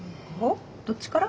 どっちから？